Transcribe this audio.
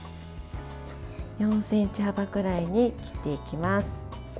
４ｃｍ幅くらいに切っていきます。